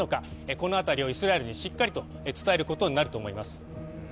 この辺りをイスラエルにしっかりと伝えることになると思います。